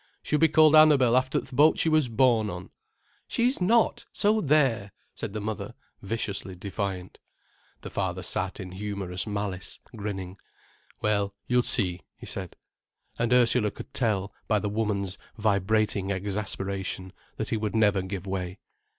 "She'll be called Annabel after th' boat she was born on." "She's not, so there," said the mother, viciously defiant. The father sat in humorous malice, grinning. "Well, you'll see," he said. And Ursula could tell, by the woman's vibrating exasperation, that he would never give way.